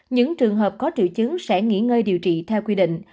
những trường hợp có triệu chứng sẽ nghỉ ngơi điều trị theo quy định